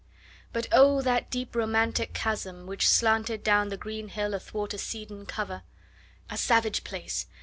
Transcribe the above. But O, that deep romantic chasm which slanted Down the green hill athwart a cedarn cover! A savage place!